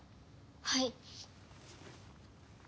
はい。